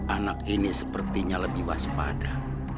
anak ini sepertinya lebih waspada